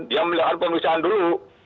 dia melakukan pemeriksaan dulu